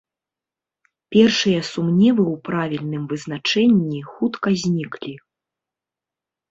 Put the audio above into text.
Першыя сумневы ў правільным вызначэнні хутка зніклі.